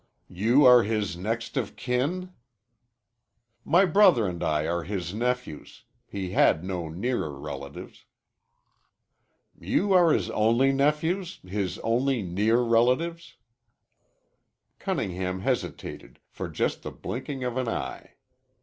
"You are his next of kin?" "My brother and I are his nephews. He had no nearer relatives." "You are his only nephews his only near relatives?" Cunningham hesitated, for just the blinking of an eye.